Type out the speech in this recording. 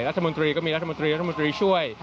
รัฐมนตรีก็มีรัฐมนตรีรัฐมนตรีช่วย